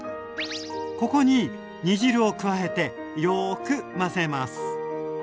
ここに煮汁を加えてよく混ぜます。